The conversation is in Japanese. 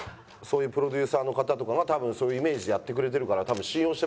プロデューサーの方とかが多分そういうイメージでやってくれてるから。